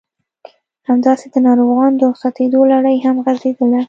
همداسې د ناروغانو د رخصتېدو لړۍ هم غزېدله.